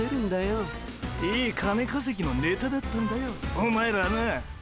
お前らはな。